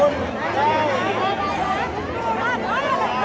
สวัสดีครับ